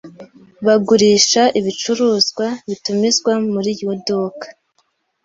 Bagurisha ibicuruzwa bitumizwa muri iryo duka.